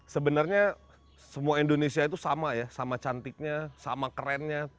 sebenarnya semua indonesia itu sama ya sama cantiknya sama kerennya